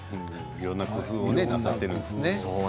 いろんな工夫をなさっているんですね。